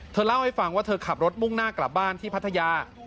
เล่าให้ฟังว่าเธอขับรถมุ่งหน้ากลับบ้านที่พัทยา